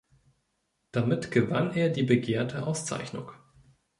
Damit gewann er die begehrte Auszeichnung.